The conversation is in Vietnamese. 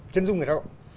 chân dung người lao động